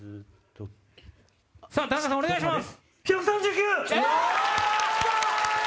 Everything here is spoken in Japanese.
田中さんお願いします！